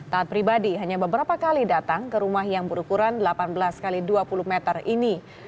taat pribadi hanya beberapa kali datang ke rumah yang berukuran delapan belas x dua puluh meter ini